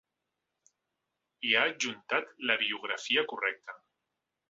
I ha adjuntat la biografia correcta.